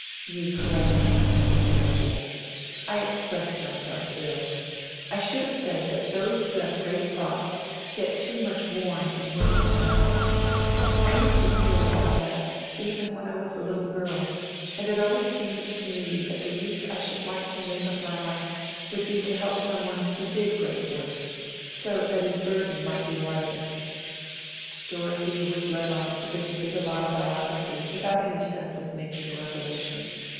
"You correct me," said Dorothea. "I expressed myself ill. I should have said that those who have great thoughts get too much worn in working them out. I used to feel about that, even when I was a little girl; and it always seemed to me that the use I should like to make of my life would be to help some one who did great works, so that his burthen might be lighter." Dorothea was led on to this bit of autobiography without any sense of making a revelation.